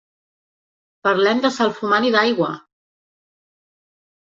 Parlem de salfumant i d'aigua!